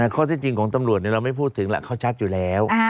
ข้อที่จริงของตำรวจเราไม่พูดถึงแหละเขาชัดอยู่แล้ว